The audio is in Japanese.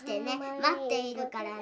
待っているからね。